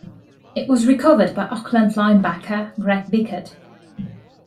It was recovered by Oakland linebacker Greg Biekert.